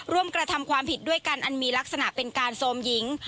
กระทำความผิดด้วยกันอันมีลักษณะเป็นการโทรมหญิง